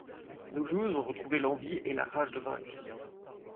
Nos joueuses ont retrouvé l'envie et la rage de vaincre.